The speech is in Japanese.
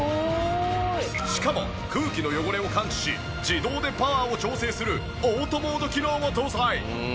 しかも空気の汚れを感知し自動でパワーを調整するオートモード機能も搭載。